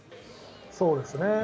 そうですね。